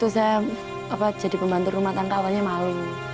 saya jadi pembantu rumah tangga awalnya malu